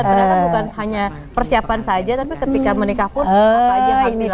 ternyata bukan hanya persiapan saja tapi ketika menikah pun apa aja yang dilakukan